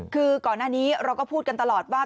คือก่อนหน้านี้เราก็พูดกันตลอดว่า